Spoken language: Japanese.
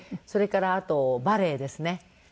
それからあとバレエですね。